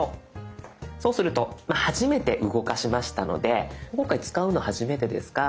そうすると初めて動かしましたので今回使うの初めてですか。